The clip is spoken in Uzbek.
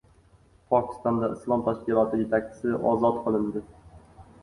Pokistonda islom tashkiloti yetakchisi ozod qilindi